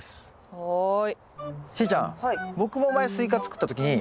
はい。